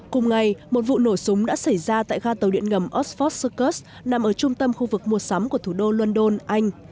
cùng ngày một vụ nổ súng đã xảy ra tại ga tàu điện ngầm osfod succus nằm ở trung tâm khu vực mua sắm của thủ đô london anh